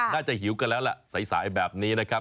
หิวกันแล้วแหละสายแบบนี้นะครับ